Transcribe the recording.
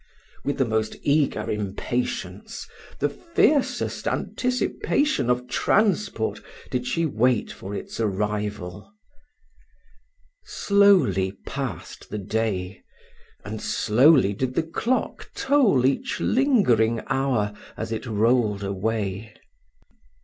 With the most eager impatience, the fiercest anticipation of transport, did she wait for its arrival. Slowly passed the day, and slowly did the clock toll each lingering hour as it rolled away.